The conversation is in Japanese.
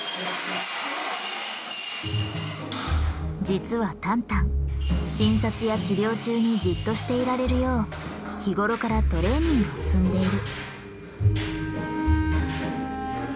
実はタンタン診察や治療中にじっとしていられるよう日頃からトレーニングを積んでいる。